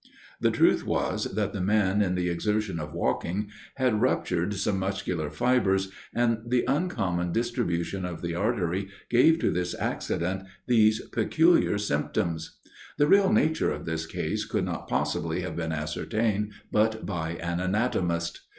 The truth was, that the man in the exertion of walking, had ruptured some muscular fibres, and the uncommon distribution of the artery gave to this accident these peculiar symptoms. The real nature of this case could not possibly have been ascertained but by an anatomist.